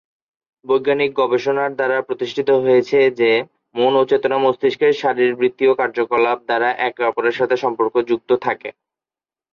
বৈজ্ঞানিক গবেষণার দ্বারা প্রতিষ্ঠিত হয়েছে যে, মন ও চেতনা মস্তিষ্কের শারীরবৃত্তীয় কার্যকলাপ দ্বারা একে অপরের সাথে সম্পর্কযুক্ত থাকে।